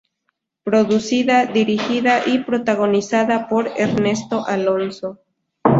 Producida, dirigida y protagonizada por Ernesto Alonso.